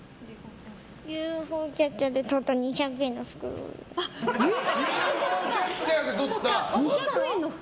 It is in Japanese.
ＵＦＯキャッチャーでとった２００円の袋。